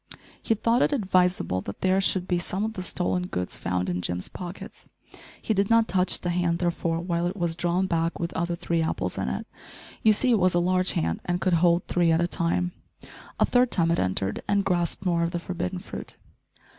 He thought it advisable that there should be some of the stolen goods found in Jim's pockets! He did not touch the hand, therefore, while it was drawn back with other three apples in it. You see it was a large hand, and could hold three at a time. A third time it entered and grasped more of the forbidden fruit.